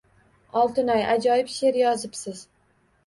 Oltinoy, ajoyib sheʼr yozibsiz